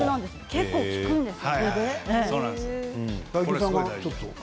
結構効くんです。